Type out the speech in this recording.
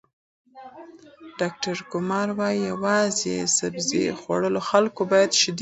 ډاکټر کمار وايي، یوازې سبزۍ خوړونکي خلک باید شیدې وڅښي.